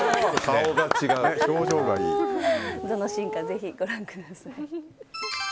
どのシーンかぜひご覧ください。